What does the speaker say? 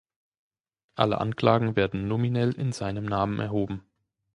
Alle Anklagen werden nominell in seinem Namen erhoben.